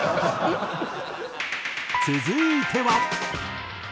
続いては。